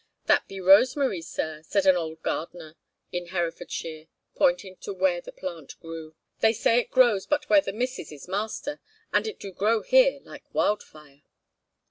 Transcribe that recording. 'That be rosemary, sir,' said an old gardener in Herefordshire, pointing to where the plant grew; 'they say it grows but where the missus is master, and it do grow here like wildfire.'